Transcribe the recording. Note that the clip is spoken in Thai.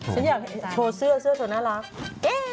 ฉันอยากเปลี่ยนเสื้อส่วนหน้ารัก